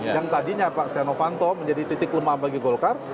yang tadinya pak stianowanto menjadi titik lemah bagi golkar